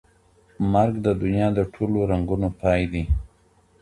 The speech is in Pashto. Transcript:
مرګ د دنیا د ټولو رنګونو پای دی.